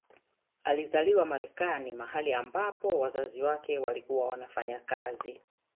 Alizaliwa Marekani mahali ambapo wazazi wake walikuwa wanafanya kazi